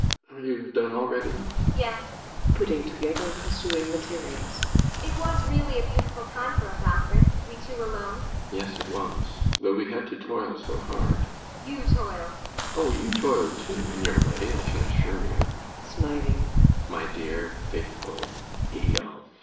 Are you done already? ASTA. Yes. [Putting together her sewing materials.] It was really a beautiful time for us, Alfred. We two alone. ALLMERS. Yes, it was though we had to toil so hard. ASTA. You toiled. ALLMERS. [With more life.] Oh, you toiled too, in your way, I can assure you [smiling] my dear, faithful Eyolf.